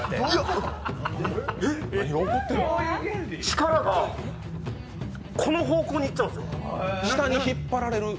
力が、この方向に行ったんです。